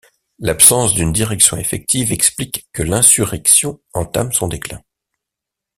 L'absence d'une direction effective explique que l'insurrection entame son déclin.